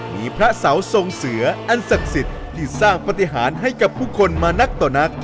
มีพระเสาทรงเสืออันศักดิ์สิทธิ์ที่สร้างปฏิหารให้กับผู้คนมานักต่อนัก